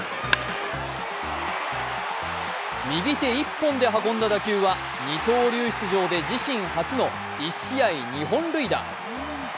右手１本で運んだ打球は二刀流出場で自身初の１試合２本塁打。